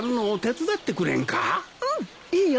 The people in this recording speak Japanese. うんいいよ。